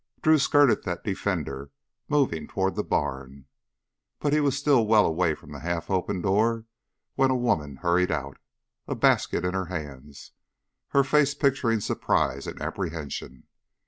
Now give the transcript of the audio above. Drew skirted that defender, moving toward the barn. But he was still well away from the half open door when a woman hurried out, a basket in her hands, her face picturing surprise and apprehension.